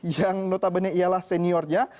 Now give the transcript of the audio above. yang notabene ialah seniornya